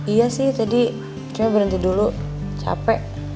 iya sih tadi saya berhenti dulu capek